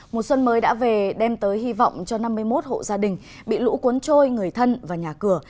mùa xuân mới đã về đem tới hy vọng cho năm mươi một hộ gia đình bị lũ cuốn trôi người thân và nhà cửa